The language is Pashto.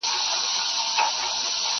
څو بې غیرته قاتلان اوس د قدرت پر ګدۍ!.